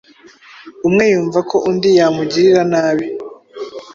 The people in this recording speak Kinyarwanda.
umwe yumva ko undi yamugirira nabi